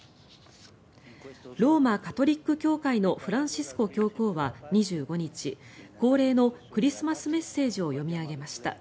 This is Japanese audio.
ローマ・カトリック教会のフランシスコ教皇は２５日恒例のクリスマスメッセージを読み上げました。